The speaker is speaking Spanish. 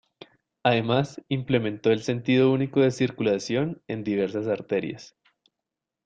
Además, implementó el sentido único de circulación en diversas arterias.